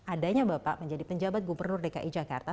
adanya bapak menjadi penjabat gubernur dki jakarta